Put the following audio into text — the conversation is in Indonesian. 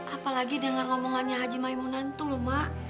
apalagi denger ngomongannya haji maimonan itu lho mak